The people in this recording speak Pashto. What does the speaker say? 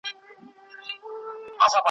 زه اړ نه یم چی را واخلم تصویرونه .